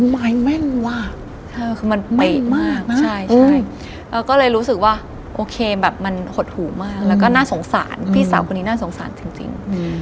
ไม้แม่นว่ะคือมันเป๊ะมากใช่ก็เลยรู้สึกว่าโอเคแบบมันหดหูมากแล้วก็น่าสงสารพี่สาวคนนี้น่าสงสารจริง